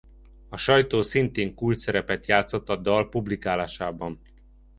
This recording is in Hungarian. A sajtó szintén kulcsszerepet játszott a dal publikálásában.